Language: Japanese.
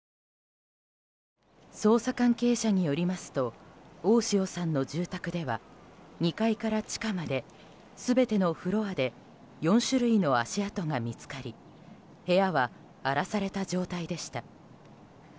捜査関係者によりますと大塩さんの住宅では２階から地下まで全てのフロアで４種類の足跡が見つかり部屋は荒らされた状態でした。